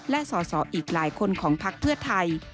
และสอสออีกหลายคนของพักเพื่อไทย